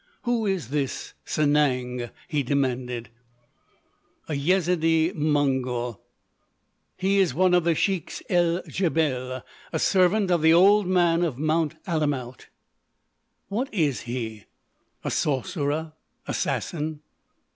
"Who is this Sanang?" he demanded. "A Yezidee Mongol. He is one of the Sheiks el Djebel—a servant of The Old Man of Mount Alamout." "What is he?" "A sorcerer—assassin."